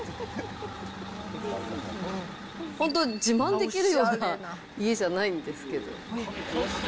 本当、自慢できるような家じゃないんですけど。